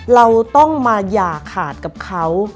เราต้องมาอย่าขาดกับเขา